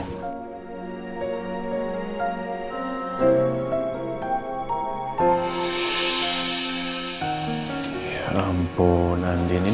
kalau maksudnya ini yang saya inginkan